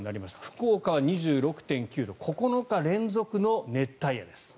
福岡は２６．９度９日連続の熱帯夜です。